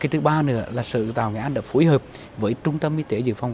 thứ ba nữa là sự tàu nghệ an đã phối hợp với trung tâm y tế dự phòng